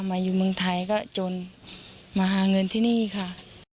มาอยู่เมืองไทยก็จนมาหาเงินที่นี่ค่ะ